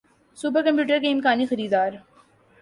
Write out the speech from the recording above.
super computer کے امکانی خریدار